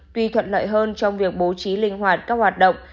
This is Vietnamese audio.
tuy thuận lợi hơn trong việc bố trí linh hoạt các hoạt động